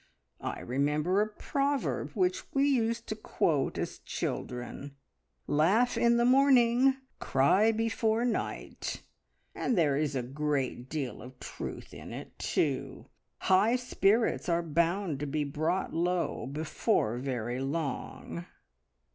I remember a proverb which we used to quote as children: `Laugh in the morning, cry before night!' and there is a great deal of truth in it, too. High spirits are bound to be brought low before very long."